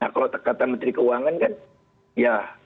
nah kalau terkata menteri keuangan kan ya